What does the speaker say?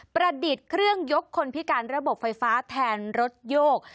ดิษฐ์เครื่องยกคนพิการระบบไฟฟ้าแทนรถโยก